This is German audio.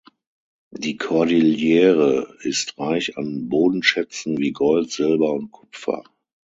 Die Kordillere ist reich an Bodenschätzen wie Gold, Silber und Kupfer.